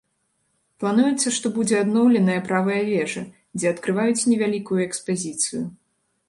Плануецца, што будзе адноўленая правая вежа, дзе адкрыюць невялікую экспазіцыю.